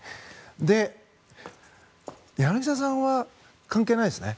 で、柳澤さんは関係ないですね。